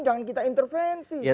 jangan kita intervensi